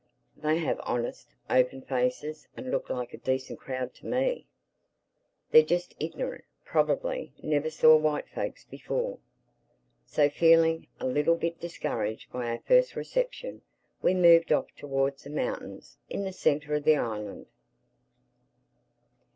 They have honest, open faces and look like a decent crowd to me. They're just ignorant—probably never saw white folks before." So, feeling a little bit discouraged by our first reception, we moved off towards the mountains in the centre of the island.